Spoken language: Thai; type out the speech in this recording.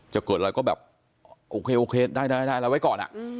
จะเกิดอะไรก็แบบโอเคโอเคได้อะไรไว้ก่อน